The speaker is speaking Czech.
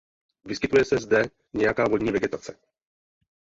Vyskytuje se zde nějaká vodní vegetace.